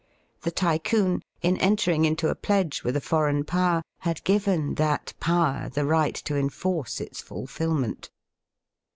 The Tycoon, in entering into a pledge with a foreign Power, had given that Power the right to enforce its fulfilment.